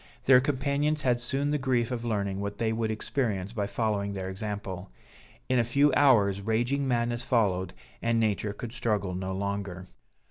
Their companions had soon the grief of learning what they would experience by following their example; in a few hours raging madness followed, and nature could struggle no longer.